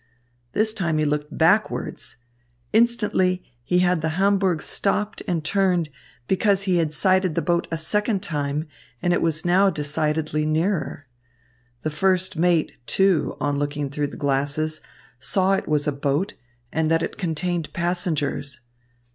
This time he looked backwards. Instantly he had the Hamburg stopped and turned, because he had sighted the boat a second time and it was now decidedly nearer. The first mate, too, on looking through the glasses saw it was a boat and that it contained passengers.